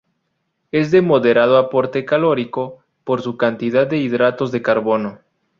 Es de moderado aporte calórico, por su cantidad de hidratos de carbono.